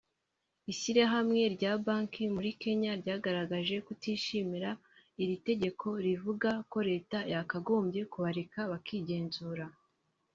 Ishyirahamwe ry’amabanki muri Kenya ryagaragaje kutishimira iri tegeko rivuga ko Leta yakagombye kubareka bakigenzura